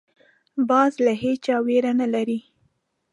باز له هېچا ویره نه لري